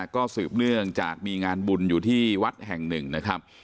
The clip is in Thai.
ก็สืบเนื่องจากมีงานบุญอยู่ที่วัดแห่งหนึ่งนะครับ